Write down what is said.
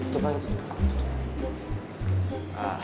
tutup lagi tutup